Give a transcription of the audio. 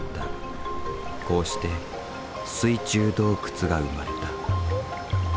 こうして水中洞窟が生まれた。